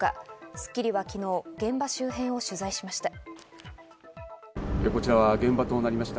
『スッキリ』は昨日、現場周辺を取材しました。